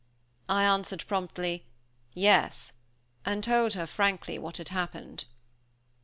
I answered promptly, "Yes," and told her frankly what had happened.